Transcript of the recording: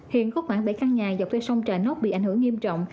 hiện khu vực bảy căn nhà dọc theo sông trà nốc bị ảnh hưởng nghiêm trọng